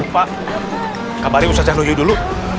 pak kabarin ustadz januyuy dulu